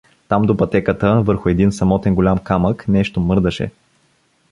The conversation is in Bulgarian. Там, до пътеката, върху един самотен голям камък нещо мърдаше.